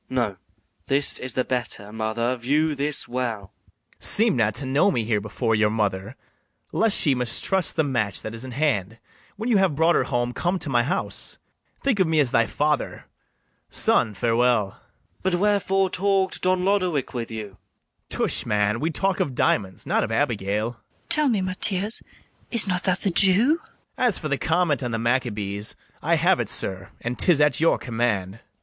MATHIAS. No, this is the better, mother, view this well. BARABAS. Seem not to know me here before your mother, Lest she mistrust the match that is in hand: When you have brought her home, come to my house; Think of me as thy father: son, farewell. MATHIAS. But wherefore talk'd Don Lodowick with you? BARABAS. Tush, man! we talk'd of diamonds, not of Abigail. KATHARINE. Tell me, Mathias, is not that the Jew? BARABAS. As for the comment on the Maccabees, I have it, sir, and 'tis at your command.